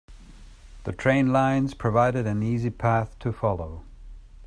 The train lines provided an easy path to follow.